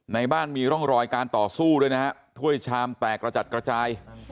ในบ้านมีร่องรอยการต่อสู้ด้วยนะฮะถ้วยชามแตกกระจัดกระจาย